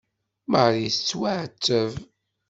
Marie tettwaɛetteb.